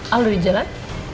al udah di jalan